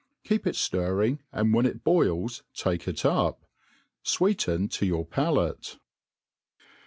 Keep it ftirring, and when it boils take it up. Sweeten to your palate.